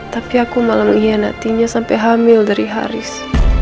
tapi aku malah mengkhianatinya sampai hamil dari haris